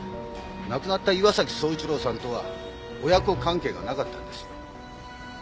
亡くなった岩崎宗一郎さんとは親子関係がなかったんです。